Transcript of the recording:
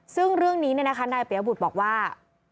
ซึ่งเรื่องนี้นายเปียบุตรบอกว่า